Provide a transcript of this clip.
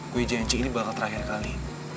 gue janji ini bakal terakhir kali